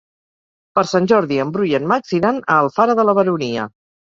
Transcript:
Per Sant Jordi en Bru i en Max iran a Alfara de la Baronia.